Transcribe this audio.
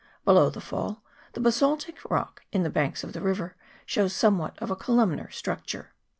Below the fall the basaltic rock in the banks of the river shows somewhat of a columnar structure.